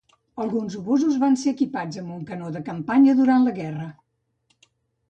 Alguns obusos van ser equipats amb un canó de campanya durant la guerra.